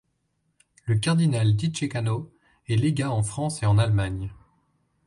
Le cardinal di Ceccano est légat en France et en Allemagne.